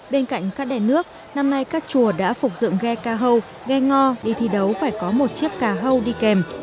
bên cạnh các đèn nước năm nay các chùa đã phục dựng ghe ca hâu ghe ngò đi thi đấu phải có một chiếc cà hâu đi kèm